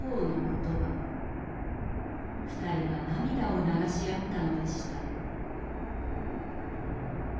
２人は涙を流し合ったのでした。